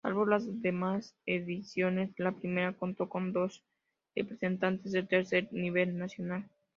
Salvo las demás ediciones, la primera contó con dos representantes del tercer nivel nacional.